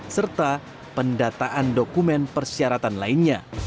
serta pendataan dokumen persyaratan lainnya